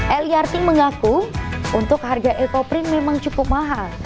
eliarti mengaku untuk harga ecoprint memang cukup mahal